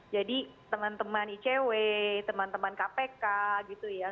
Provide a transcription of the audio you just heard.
jadi teman teman icw teman teman kpk gitu ya